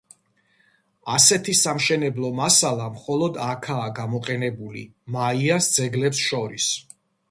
ასეთი სამშენებლო მასალა მხოლოდ აქაა გამოყენებული მაიას ძეგლებს შორის.